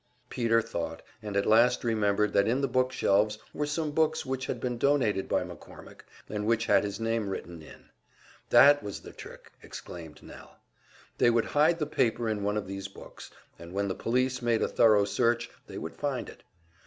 Peter thought, and at last remembered that in the bookshelves were some books which had been donated by McCormick, and which had his name written in. That was the trick! exclaimed Nell. They would hide the paper in one of these books, and when the police made a thorough search they would find it.